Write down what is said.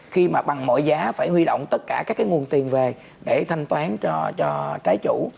khi mà bằng mọi giá phải huy động tất cả các nguồn tiền về để thanh toán cho trái chủ